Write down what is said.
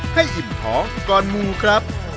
ให้อิ่มท้องก่อนมูครับ